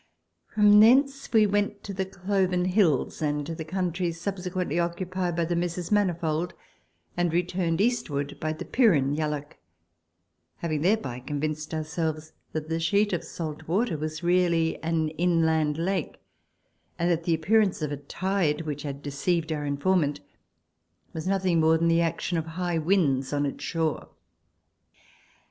From thence we went to the .Cloven Hills and to the country subse quently occupied by the Messrs. Manifold, and returned eastward by the Pirron Yalloak, having thereby convinced ourselves that the sheet of salt water was really an inland lake, and that the ap pearance of a tide, which had deceived our informant, was nothing more than the action of high winds on its shore.